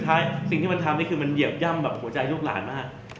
สิ่งที่มันทำนี่คือมันเหยียบย่ำแบบหัวใจลูกหลานมาก